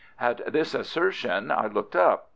At this assertion I looked up.